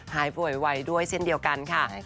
หายป่วยไวด้วยเช่นเดียวกันค่ะ